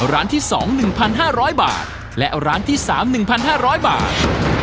ร้านที่สองหนึ่งพันห้าร้อยบาทและร้านที่สามหนึ่งพันห้าร้อยบาท